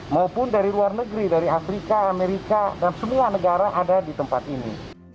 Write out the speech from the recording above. maupun dari luar negeri dari afrika amerika dan semua negara ada di tempat ini